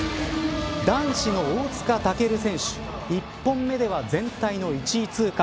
男子の大塚健選手１本目では全体の１位通過。